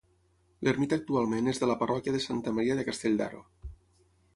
L'ermita actualment és de la parròquia de Santa Maria de Castell d'Aro.